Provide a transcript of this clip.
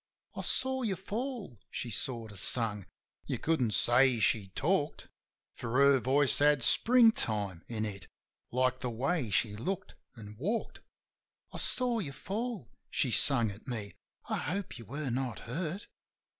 "I saw you fall," she sort of sung: you couldn't say she talked, For her voice had springtime in it, like the way she looked an' walked. "I saw you fall," she sung at me. "I hope you were not hurt."